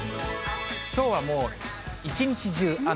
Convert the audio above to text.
きょうはもう一日中雨。